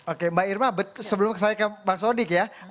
oke mbak irma sebelum saya ke bang sodik ya